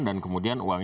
dan kemudian uangnya bisa